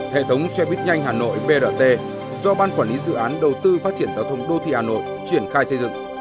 hệ thống xe buýt nhanh hà nội brt do ban quản lý dự án đầu tư phát triển giao thông đô thị hà nội triển khai xây dựng